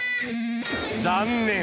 残念。